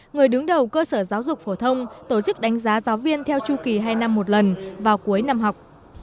người đứng đầu cơ sở giáo dục phổ thông tổ chức đánh giá giáo viên theo chu kỳ hai năm một lần vào cuối năm học